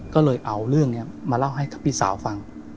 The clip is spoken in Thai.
ก็เลยเอาเรื่องนี้มาเล่าให้กับพี่สาวฟัง